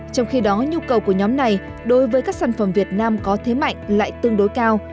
trong khi đó nhu cầu của nhóm này đối với các sản phẩm việt nam có thế mạnh lại tương đối cao